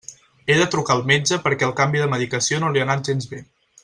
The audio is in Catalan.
He de trucar al metge perquè el canvi de medicació no li ha anat gens bé.